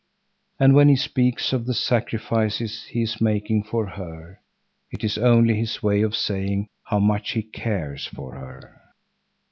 And when he speaks of the sacrifices he is making for her, it is only his way of saying how much he cares for her.